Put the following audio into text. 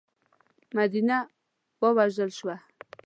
مدینه وژغورل شوه.